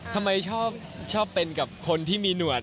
ทำไมชอบเป็นกับคนที่มีหนวด